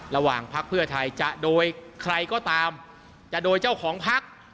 พักเพื่อไทยจะโดยใครก็ตามจะโดยเจ้าของพัก